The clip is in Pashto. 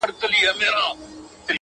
• صبر کوه خدای به درکړي,